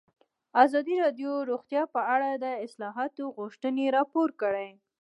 ازادي راډیو د روغتیا په اړه د اصلاحاتو غوښتنې راپور کړې.